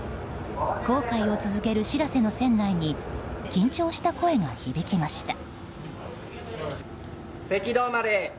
航海を続ける「しらせ」の船内に緊張した声が響きました。